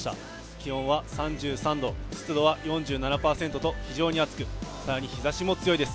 気温は３３度、湿度は４７％と非常に暑く更に日ざしも強いです。